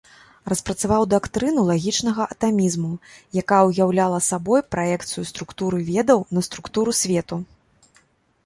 Распрацаваў дактрыну лагічнага атамізму, якая уяўляла сабой праекцыю структуры ведаў на структуру свету.